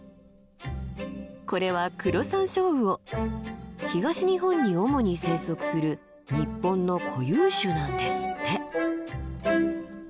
これは東日本に主に生息する日本の固有種なんですって。